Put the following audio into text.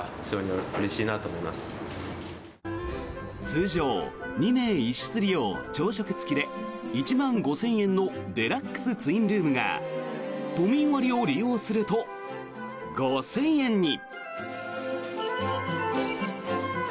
通常２名１室利用、朝食付きで１万５０００円のデラックスツインルームが都民割を利用すると５０００円に。